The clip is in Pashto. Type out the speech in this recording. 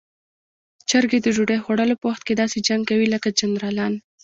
چرګې د ډوډۍ خوړلو په وخت کې داسې جنګ کوي لکه جنرالان.